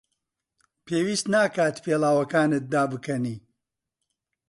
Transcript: پێویست ناکات پێڵاوەکانت دابکەنی.